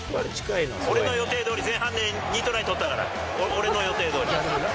俺の予定どおり、前半で２トライ取ったから、俺の予定どおり。